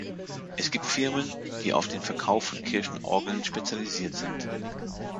Es gibt Firmen, die auf den Verkauf von Kirchenorgeln spezialisiert sind.